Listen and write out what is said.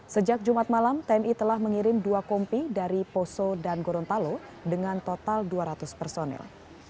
sejak jumat malam tni telah mengirim dua kompi dari poso dan gorontalo dengan total dua ratus personil